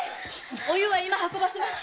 お湯は今運ばせます。